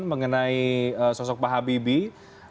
mengenai sosok pak habibie